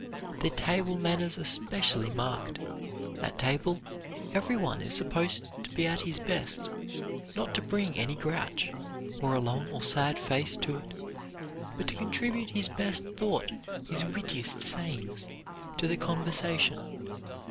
Their table manners are specially marked. At table every one is supposed to be at his best, not to bring any grouch, or a long or sad face to it, but to contribute his best thought, his wittiest sayings, to the conversation.